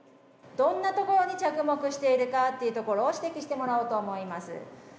どんなところに着目しているかっていうところを、指摘してもらおうと思います。